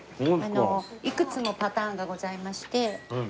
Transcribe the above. いくつもパターンがございまして。